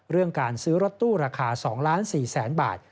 เรื่องการซื้อรถตู้ราคา๒๔๐๐๐บาท